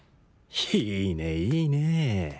いいねいいね！